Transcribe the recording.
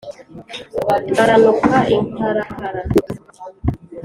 a ranuka inkarakara